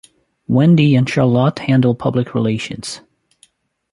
Wendy and Charlotte handle public relations.